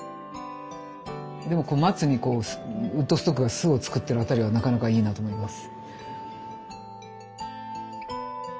でも松にウッドストックが巣を作ってるあたりがなかなかいいなと思います。